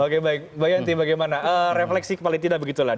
oke baik mbak yanti bagaimana refleksi paling tidak begitulah